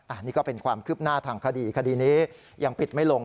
อันนี้ก็เป็นความคืบหน้าทางคดีคดีนี้ยังปิดไม่ลง